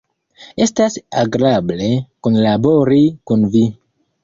Estas agrable kunlabori kun vi.